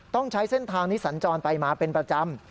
ต้องใช้เส้นทางนี้สัญจรไปมาเป็นประจำ